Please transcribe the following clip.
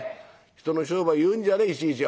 人の商売言うんじゃねえいちいち。